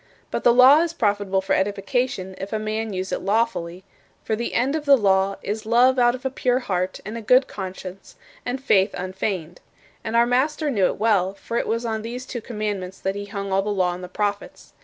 But the law is profitable for edification if a man use it lawfully: for the end of the law "is love out of a pure heart, and a good conscience, and faith unfeigned." And our Master knew it well, for it was on these two commandments that he hung all the Law and the Prophets.